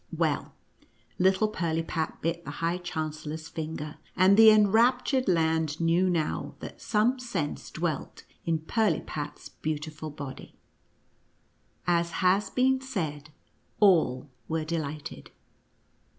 Well, little Pirlipat bit the high chancellor's finger, and the enraptured land knew now that some sense dwelt in Pirlipat's beautiful body. As has been said, all were delighted.